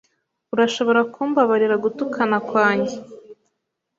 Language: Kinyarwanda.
Urashobora kumbabarira gutukana kwanjye